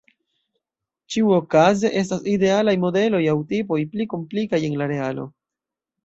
Ĉiuokaze, estas idealaj modeloj aŭ tipoj, pli komplikaj en la realo.